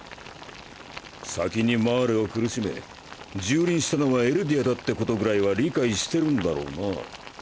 先にマーレを苦しめ蹂躙したのはエルディアだってことぐらいは理解してるんだろうな？